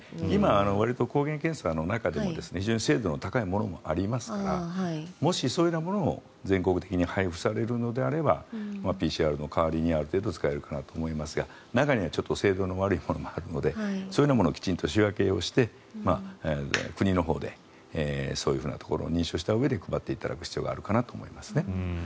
今、わりと抗原検査の中でも非常に精度の高いものもありますからもしそういうものが全国的に配布されるのであればＰＣＲの代わりにある程度使えるのかなと思いますが中にはちょっと精度の悪いものもあるのでそういうものをきちんと仕分けして、国のほうでそういうところを認証したうえで配っていただく必要があるかなと思いますね。